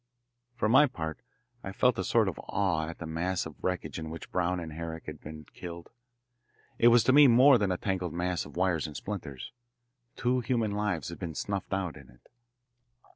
For my part I felt a sort of awe at the mass of wreckage in which Browne and Herrick had been killed. It was to me more than a tangled mass of wires and splinters. Two human lives had been snuffed out in it.